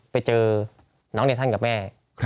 ไปเจอน้องเนทันกับแม่